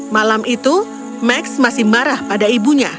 malam itu max masih marah pada ibunya